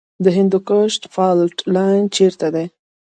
د هندوکش فالټ لاین چیرته دی؟